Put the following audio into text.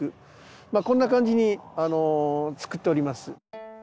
まあこんな感じにつくっております。